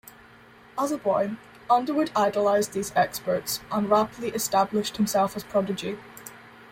As a boy, Underwood idolized these experts, and rapidly established himself as a prodigy.